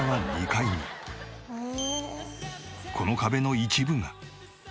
この壁の一部が。